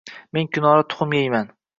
Men kunora tuxum yeyman.